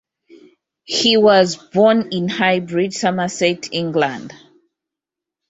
He was born in Highbridge, Somerset, England.